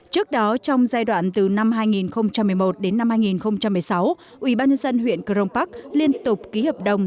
trước đó trong giai đoạn từ năm hai nghìn một mươi một đến năm hai nghìn một mươi sáu ubnd huyện crong park liên tục ký hợp đồng